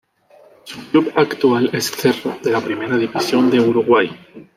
Su club actual es Cerro de la Primera División de Uruguay.